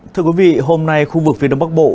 thưa quý vị hôm nay khu vực phía đông bắc bộ